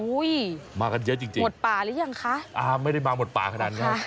มากันเยอะจริงจริงหมดป่าหรือยังคะอ่าไม่ได้มาหมดป่าขนาดนั้น